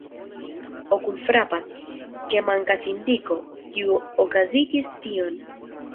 Okulfrapas, ke mankas indiko, kiu okazigis tion.